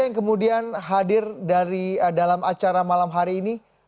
yang kemudian hadir dalam acara malam hari ini